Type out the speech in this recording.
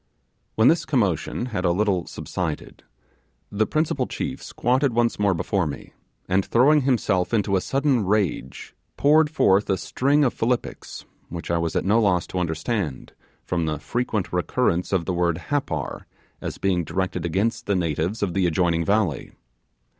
When this commotion had a little subsided, the principal chief squatted once more before me, and throwing himself into a sudden rage, poured forth a string of philippics, which I was at no loss to understand, from the frequent recurrence of the word Happar, as being directed against the natives of the adjoining valley.